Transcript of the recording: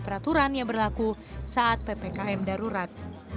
peraturan yang berlaku saat ppkm darurat